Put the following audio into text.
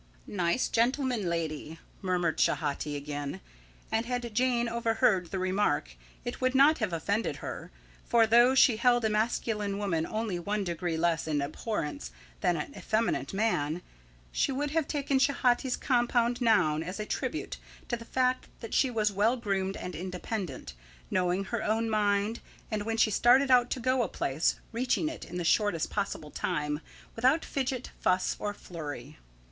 "Nice gentleman lady," murmured Schehati again: and had Jane overheard the remark it would not have offended her; for, though she held a masculine woman only one degree less in abhorrence than an effeminate man, she would have taken Schehati's compound noun as a tribute to the fact that she was well groomed and independent, knowing her own mind, and, when she started out to go to a place, reaching it in the shortest possible time, without fidget, fuss, or flurry.